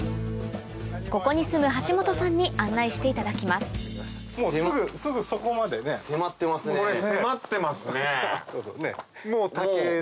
ここに住む橋本さんに案内していただきます迫ってますね。